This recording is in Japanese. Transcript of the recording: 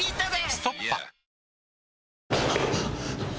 「ストッパ」